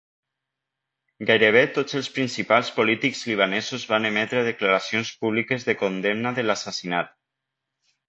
Gairebé tots els principals polítics libanesos van emetre declaracions públiques de condemna de l'assassinat.